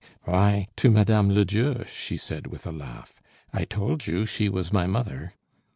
"Why, to Mme. Ledieu," she said with a laugh. "I told you she was my mother."